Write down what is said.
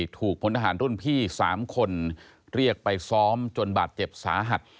พลทหารรุ่นพี่๓คนเรียกไปซ้อมจนบาดเจ็บสาหัส